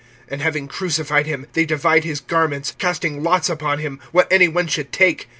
(24)And having crucified him, they divide his garments, casting lots upon them, what any one should take.